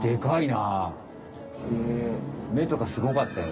めとかすごかったよ。